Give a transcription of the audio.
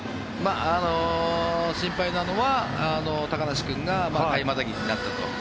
心配なのは高梨君が回またぎになったと。